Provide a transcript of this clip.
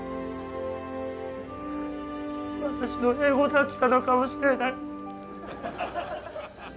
私のエゴだったのかもしれない。